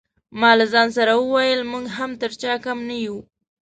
ما له ځان سره وویل موږ هم تر چا کم نه یو.